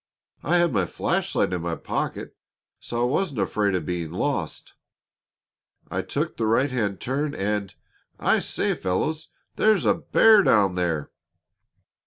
I had my flash light in my pocket, so I wasn't afraid of being lost. I took the right hand turn and I say, fellows, there's a bear down there!"